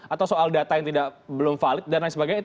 atau soal data yang belum valid dan lain sebagainya